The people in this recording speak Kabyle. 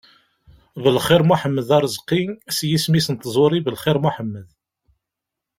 Belxir Muḥemmed Arezki, s yisem-is n tẓuri Belxir Muḥemmed.